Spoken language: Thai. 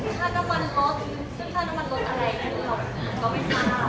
น้ำมันลดซึ่งค่าน้ำมันลดอะไรก็เป็นค่า